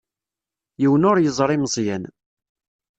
Yiwen ur yeẓri Meẓyan.